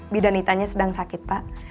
bidan itanya sedang sakit pak